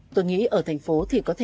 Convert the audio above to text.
tôi nghĩ ở thành phố thì có thể